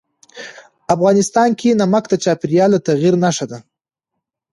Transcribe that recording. افغانستان کې نمک د چاپېریال د تغیر نښه ده.